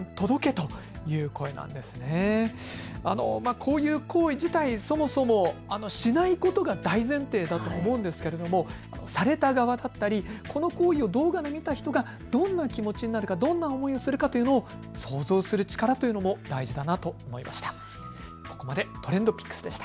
こういう行為自体、そもそもしないことが大前提だと思うんですけれども、された側だったりこの行為を動画で見た人がどんな気持ちになるか、どんな思いをするかというのを想像する力というのも大事だなと思いました。